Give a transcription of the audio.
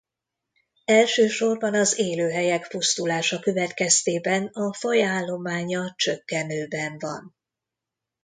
Elsősorban az élőhelyek pusztulása következtében a faj állománya csökkenőben van.